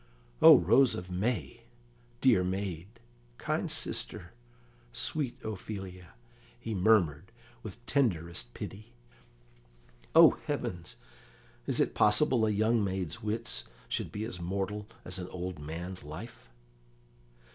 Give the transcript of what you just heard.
"O rose of May! Dear maid, kind sister, sweet Ophelia!" he murmured, with tenderest pity. "Oh heavens! is it possible a young maid's wits should be as mortal as an old man's life?"